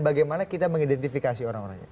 bagaimana kita mengidentifikasi orang orang ini